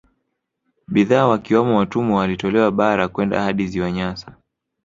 Bidhaa wakiwamo watumwa walitolewa bara kwenda hadi Ziwa Nyasa